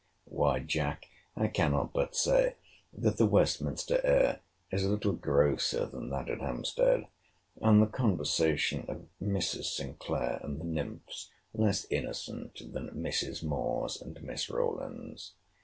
Why, Jack, I cannot but say that the Westminster air is a little grosser than that at Hampstead; and the conversation of Mrs. Sinclair and the nymphs less innocent than Mrs. Moore's and Miss Rawlins's.